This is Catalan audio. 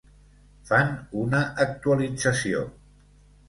Fan una actualització: